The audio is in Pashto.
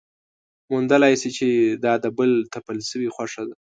موندلی شي چې دا د بل تپل شوې خوښه ده.